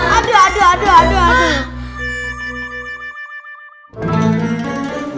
aduh aduh aduh